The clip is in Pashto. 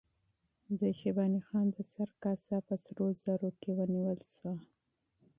د شیباني خان د سر کاسه په سرو زرو کې ونیول شوه.